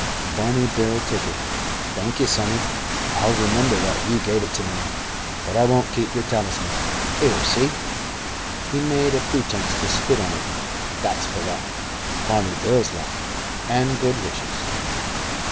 Barney Bill took it. "Thank 'ee, sonny. I'll remember that you gave it to me. But I won't keep yer talisman. 'Ere, see " he made a pretence to spit on it "that's for luck. Barney Bill's luck, and good wishes."